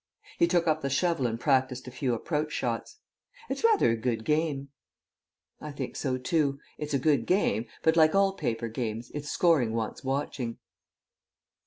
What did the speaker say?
He took up the shovel and practised a few approach shots. "It's rather a good game." I think so too. It's a good game, but, like all paper games, its scoring wants watching.